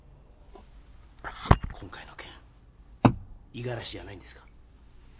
今回の件五十嵐じゃないんですか？